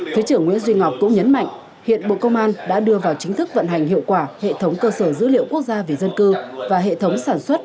thứ trưởng nguyễn duy ngọc cũng nhấn mạnh hiện bộ công an đã đưa vào chính thức vận hành hiệu quả hệ thống cơ sở dữ liệu quốc gia về dân cư và hệ thống sản xuất